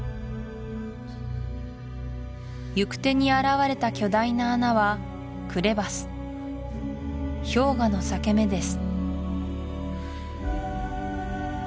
行く手に現れた巨大な穴はクレバス氷河の裂け目です